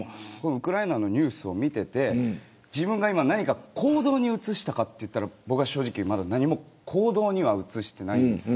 ウクライナのニュースを見てて自分が何か行動に移したかというと僕は正直、何も行動には移していないんです。